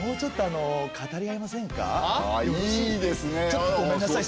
ちょっとごめんなさい。